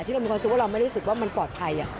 เรามีความรู้สึกว่าเราไม่รู้สึกว่ามันปลอดภัย